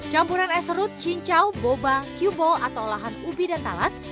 campuran es serut cincau boba cuball atau olahan ubi dan talas